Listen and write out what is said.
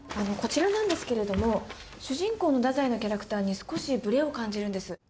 こちらなんですけれども主人公のダザイのキャラクターに少しブレを感じるんです。